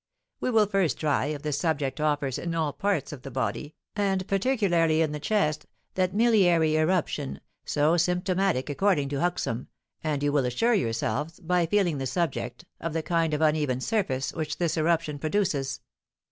We will first try if the subject offers in all parts of the body, and particularly in the chest, that miliary eruption, so symptomatic according to Huxham, and you will assure yourselves, by feeling the subject, of the kind of uneven surface which this eruption produces.